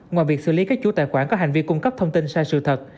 ngoài việc xử lý các chủ tài khoản có hành vi cung cấp thông tin sai sự thật